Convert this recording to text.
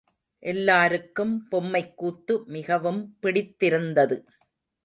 எல்லாருக்கும் பொம்மைக்கூத்து மிகவும் பிடித்திருந்தது.